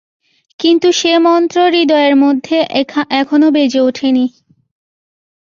কিন্তু সে মন্ত্র হৃদয়ের মধ্যে এখানো বেজে ওঠে নি।